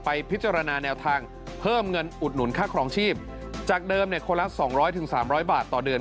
พิจารณาแนวทางเพิ่มเงินอุดหนุนค่าครองชีพจากเดิมเนี่ยคนละ๒๐๐๓๐๐บาทต่อเดือน